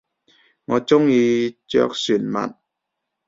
我中意着船襪